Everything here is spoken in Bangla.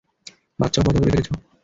বাচ্চাও পয়দা করে ফেলেছে?